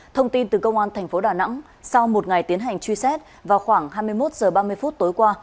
thông tin từ công an tp đà nẵng sau một ngày tiến hành truy xét và khoảng hai mươi một h ba mươi phút tối qua